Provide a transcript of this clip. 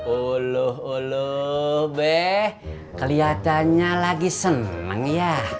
oloh oloh beh kelihatannya lagi seneng ya